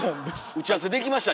打ち合わせできました？